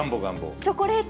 チョコレート。